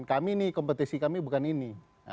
kami ini kompetisi kami bukan ini